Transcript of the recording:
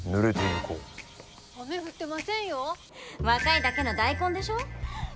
若いだけの大根でしょ。